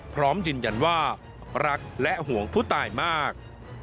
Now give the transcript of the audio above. พร้อมยืนยันว่ารักและห่วงผู้ตายมาก